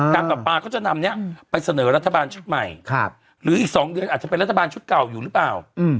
การปรับปลาเขาจะนำนี้ไปเสนอรัฐบาลชุดใหม่หรืออีก๒เดือนอาจจะเป็นรัฐบาลชุดเก่าอยู่หรือเปล่า